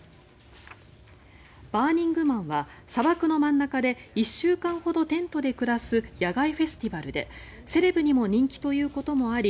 バーニングマンは砂漠の真ん中で１週間ほどテントで暮らす野外フェスティバルでセレブにも人気ということもあり